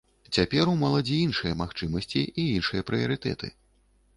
Цяпер у моладзі іншыя магчымасці і іншыя прыярытэты.